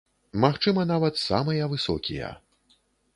Магчыма, нават самыя высокія.